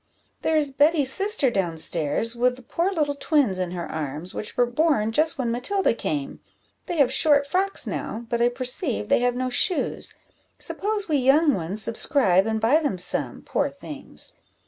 there is Betty's sister down stairs, with the poor little twins in her arms, which were born just when Matilda came; they have short frocks now, but I perceive they have no shoes: suppose we young ones subscribe, and buy them some, poor things!